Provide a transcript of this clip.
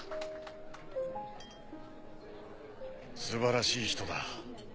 素晴らしい人だ。